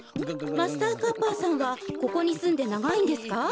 マスターカッパさんはここにすんでながいんですか？